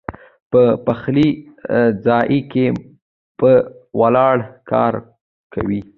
پۀ پخلي ځائے کښې پۀ ولاړه کار کوي